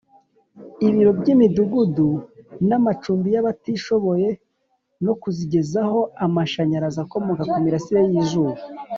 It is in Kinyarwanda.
ibiro by imidugudu n amacumbi y abatishoboye no kuzigezaho amashanyarazi akomoka ku mirasire y izuba